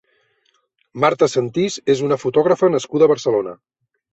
Marta Sentís és una fotògrafa nascuda a Barcelona.